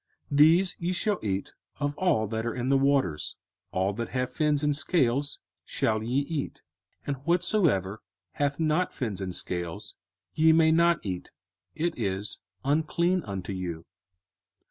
05:014:009 These ye shall eat of all that are in the waters: all that have fins and scales shall ye eat: 05:014:010 And whatsoever hath not fins and scales ye may not eat; it is unclean unto you.